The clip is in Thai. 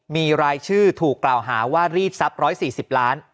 มีรายชื่อถูกกล่าวหาว่ารีดทรัพย์๑๔๐ล้าน